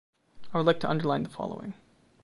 I would like to underline the following.